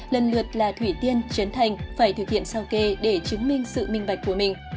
lần lượt là thủy tiên trấn thành phải thực hiện sao kê để chứng minh sự minh bạch của mình